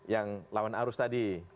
yang lawan arus tadi